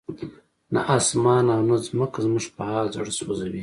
نه اسمان او نه ځمکه زموږ په حال زړه سوځوي.